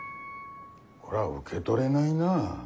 これは受け取れないな。